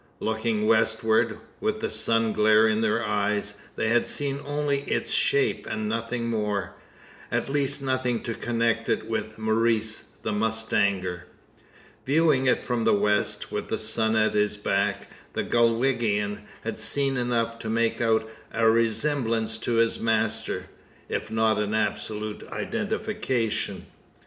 Looking westward, with the sun glare in their eyes, they had seen only its shape, and nothing more at least nothing to connect it with Maurice the mustanger. Viewing it from the west, with the sun at his back, the Galwegian had seen enough to make out a resemblance to his master if not an absolute identification.